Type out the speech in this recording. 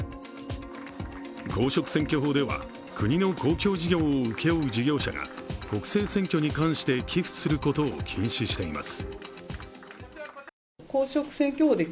公職選挙法では国の公共事業を請け負う事業者が国政選挙に関して寄付することを禁止しています。